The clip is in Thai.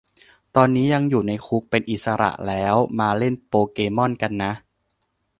ตอนนี้ยังอยู่ในคุก เป็นอิสระแล้วมาเล่นโปเกมอนกันนะ